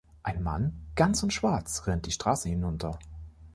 Ein Mann ganz in Schwarz rennt die Straße hinunter.